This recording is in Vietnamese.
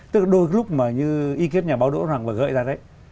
tức đôi lúc mà như ý kiến nhà báo đỗ hoàng và gợi ra đấy